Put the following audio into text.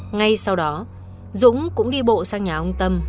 ngay sau đó dũng cũng đi bộ sang nhà ông tâm